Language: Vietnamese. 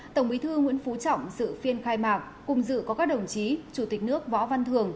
tổng bí thư nguyễn phú trọng dự phiên khai mạc cùng dự có các đồng chí chủ tịch nước võ văn thường